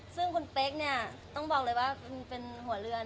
ซึ่งคุณเป๊กเนี่ยต้องบอกเลยว่าเป็นหัวเรือน